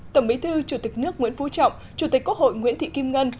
tổng bí thư chủ tịch nước nguyễn phú trọng chủ tịch quốc hội nguyễn thị kim ngân